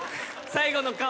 最後の顔。